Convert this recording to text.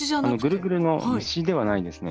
ぐるぐるの虫ではないですね。